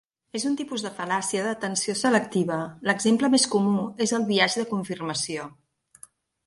És un tipus de fal·làcia d'atenció selectiva, l'exemple més comú és el biaix de confirmació.